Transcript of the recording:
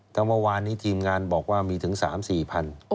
แต่เมื่อวานนี้ทีมงานบอกว่ามีถึง๓๔พัน